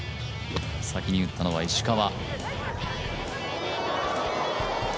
先に打ったのは石川。